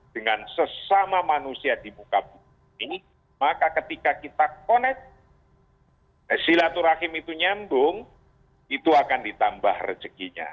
dengan sesama manusia di muka bumi maka ketika kita connect silaturahim itu nyambung itu akan ditambah rezekinya